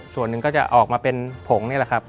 ส่วนหนึ่งก็จะออกมาเป็นผงนี่แหละครับ